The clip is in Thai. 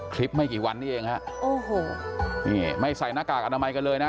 คลิปไม่กี่วันนี่เองไม่ใส่หน้ากากอนามัยกันเลยนะ